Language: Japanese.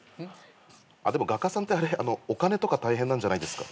でも画家さんってあれあのお金とか大変なんじゃないですか？